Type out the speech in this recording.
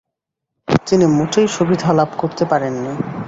তিনি মোটেই সুবিধে লাভ করতে পারেননি।